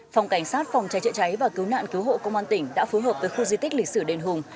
phòng cảnh sát phòng cháy chữa cháy và cứu nạn cứu hộ công an tỉnh đã phối hợp với khu di tích lịch sử đền hùng